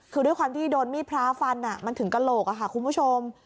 คือด้วยความที่โดนมีดพระฟันมันถึงกระโหลกค่ะคุณผู้ชม